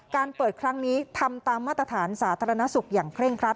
เปิดครั้งนี้ทำตามมาตรฐานสาธารณสุขอย่างเคร่งครัด